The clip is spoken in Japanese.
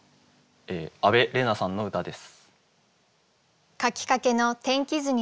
阿部蓮南さんの歌です。